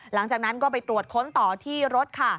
หลังจากนั้นก็ไปตรวจค้นต่อที่รถค่ะ